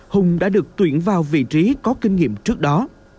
hùng đã được tuyển vào vị trí có kinh nghiệm trước đó